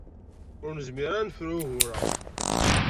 Ur nezmir ara ad nefru ugur-a.